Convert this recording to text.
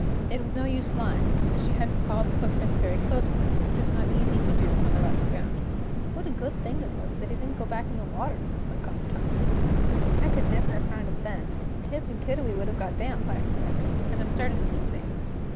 It was no use flying, as she had to follow the footprints very closely, which was not easy to do on the rocky ground. "What a good thing it was that he didn't go back into the water," thought Coppertop; "I could never have found him then, and Tibbs and Kiddiwee would have got damp, I expect, and have started sneezing!"